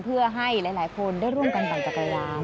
เพื่อให้หลายคนได้ร่วมกันปั่นจักรยาน